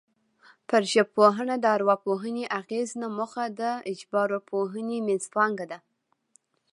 پر ژبپوهنه د ارواپوهنې اغېز نه موخه د ژبارواپوهنې منځپانګه ده